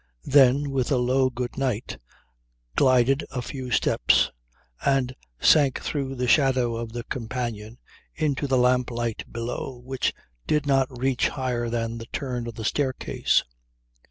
Then, with a low 'Good night' glided a few steps, and sank through the shadow of the companion into the lamplight below which did not reach higher than the turn of the staircase.